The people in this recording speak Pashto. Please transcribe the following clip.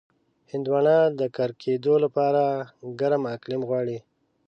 هندوانه د کر کېدو لپاره ګرم اقلیم غواړي.